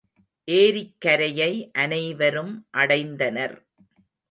ஏரிக்கரையை அனைவரும் அடைந்தனர்.